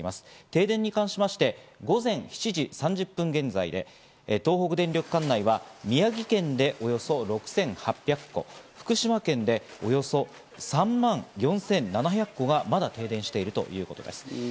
停電に関しまして午前７時３０分現在で東北電力管内は宮城県でおよそ６８００戸、福島県でおよそ３万４７００戸がまだ停電しているということです。